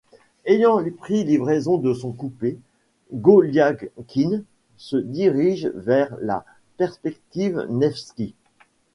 Ayant pris livraison de son coupé, Goliadkine se dirige sur la perspective Nevski.